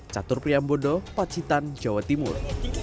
catur pria bodoh pacitan jawa timur